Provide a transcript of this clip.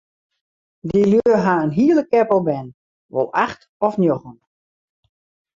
Dy lju ha in hiele keppel bern, wol acht of njoggen.